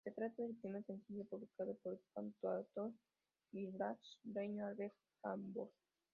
Se trata del primer sencillo publicado por el cantautor gibraltareño Albert Hammond.